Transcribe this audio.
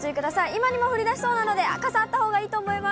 今にも降りだしそうなので、傘あったほうがいいと思います。